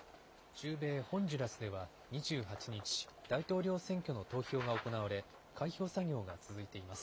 中米ホンジュラスでは２８日、大統領選挙の投票が行われ、開票作業が続いています。